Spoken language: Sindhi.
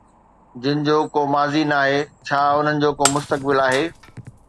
جن جو ڪو ماضي ناهي، ڇا انهن جو ڪو مستقبل آهي؟